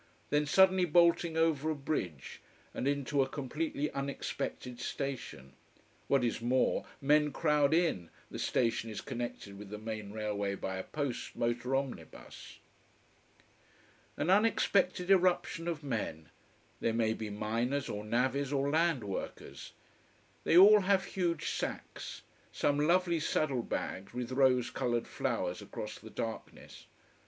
Then suddenly bolting over a bridge and into a completely unexpected station. What is more, men crowd in the station is connected with the main railway by a post motor omnibus. An unexpected irruption of men they may be miners or navvies or land workers. They all have huge sacks: some lovely saddle bags with rose coloured flowers across the darkness.